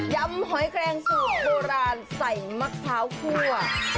ำหอยแกรงสูตรโบราณใส่มะพร้าวคั่ว